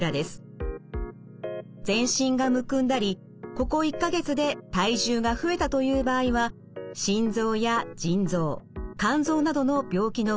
全身がむくんだりここ１か月で体重が増えたという場合は心臓や腎臓肝臓などの病気の疑いがあります。